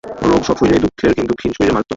রোগ সব শরীরেই দুঃখের কিন্তু ক্ষীণ শরীরে মারাত্মক।